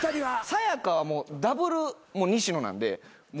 さや香はもうダブル西野なんで。